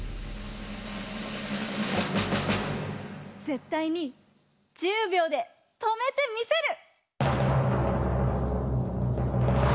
ぜったいに１０びょうでとめてみせる！